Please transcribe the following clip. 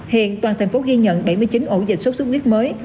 hiện toàn thành phố ghi nhận bảy mươi chín ổ dịch sốt xuất huyết mới